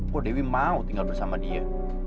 kok dewi mau tinggal bersama dia